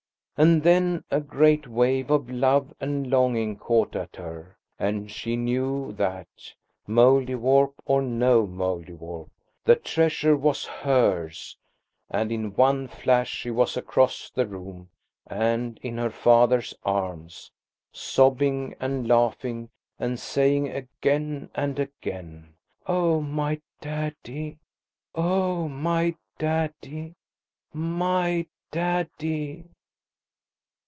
And then a great wave of love and longing caught at her, and she knew that, Mouldiwarp or no Mouldiwarp, the treasure was hers, and in one flash she was across the room and in her father's arms, sobbing and laughing and saying again and again– "Oh, my daddy! Oh, my daddy, my daddy!"